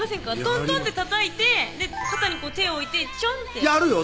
トントンってたたいて肩に手置いてチョンってやるよ